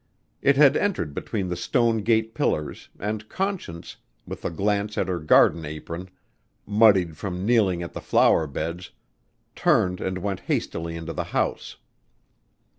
It had entered between the stone gate pillars, and Conscience, with a glance at her garden apron, muddied from kneeling at the flower beds, turned and went hastily into the house.